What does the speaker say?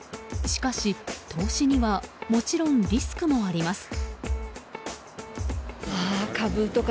しかし、投資にはもちろんリスクもあります。